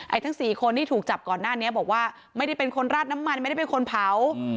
ทั้งสี่คนที่ถูกจับก่อนหน้านี้บอกว่าไม่ได้เป็นคนราดน้ำมันไม่ได้เป็นคนเผา